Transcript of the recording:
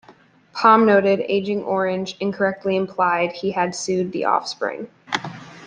Palm noted "Aging Orange" incorrectly implied he had sued The Offspring.